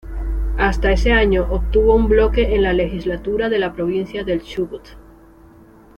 Hasta ese año obtuvo un bloque en la Legislatura de la Provincia del Chubut.